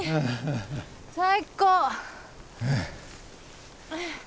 最高。